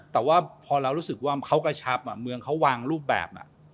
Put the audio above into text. แต่ว่าพอเรารู้สึกว่าเขากระชับเมืองเขาวางรูปแบบ